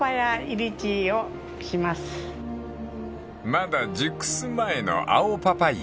［まだ熟す前の青パパイヤ］